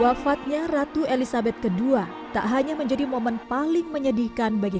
wafatnya ratu elizabeth ii tak hanya menjadi momen paling menyedihkan bagi